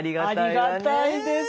ありがたいです